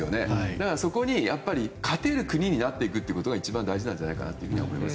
だから、そこに勝てる国になっていくということが一番大事なんじゃないかと思います。